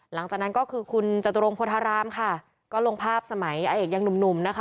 หลังจากนั้นก็คือคุณจตุรงโพธารามค่ะก็ลงภาพสมัยอาเอกยังหนุ่มหนุ่มนะคะ